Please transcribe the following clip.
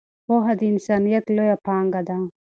پوهه د انسانیت لویه پانګه ده.